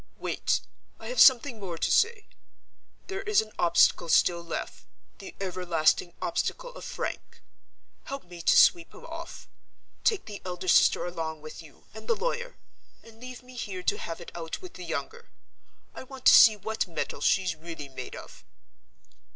Wait! I have something more to say. There is an obstacle still left—the everlasting obstacle of Frank. Help me to sweep him off. Take the elder sister along with you and the lawyer, and leave me here to have it out with the younger. I want to see what metal she's really made of."